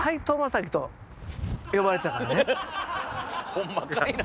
ホンマかいな！